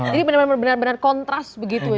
jadi benar benar kontras begitu ya